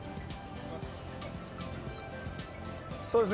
そうですね。